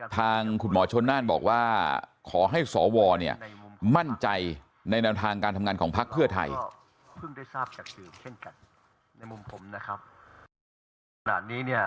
ทางคุณหมอชนน่านบอกว่าขอให้สวเนี่ยมั่นใจในแนวทางการทำงานของพักเพื่อไทย